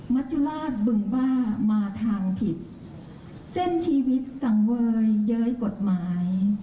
มัจจุราชบึงบ้ามาทางผิดเส้นชีวิตสังเวยเย้ยกฎหมาย